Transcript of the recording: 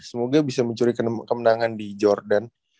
semoga bisa mencuri kemenangan di jordan